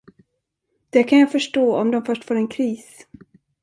Det kan jag förstå om de först får en kris.